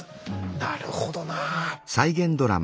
なるほどな。